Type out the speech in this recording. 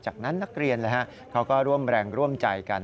จากนั้นนักเรียนเขาก็ร่วมแรงร่วมใจกัน